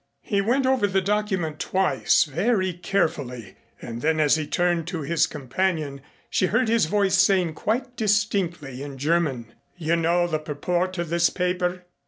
He went over the document twice very carefully, and then as he turned to his companion she heard his voice saying quite distinctly in German: "You know the purport of this paper?"